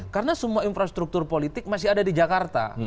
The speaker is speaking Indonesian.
karena semua infrastruktur politik masih ada di jakarta